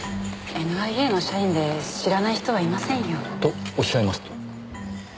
ＮＩＡの社員で知らない人はいませんよ。とおっしゃいますと？